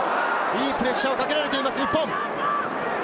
いいプレッシャーをかけられています、日本。